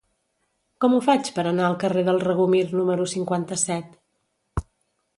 Com ho faig per anar al carrer del Regomir número cinquanta-set?